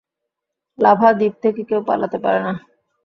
Lava দ্বীপ থেকে কেউ পালাতে পারে না।